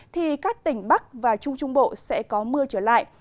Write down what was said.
thì các tỉnh bắc và trung trung bộ sẽ có mưa trở lại